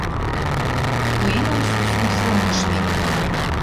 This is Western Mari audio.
Пуэнӓм сусун фронтыш мӹнь.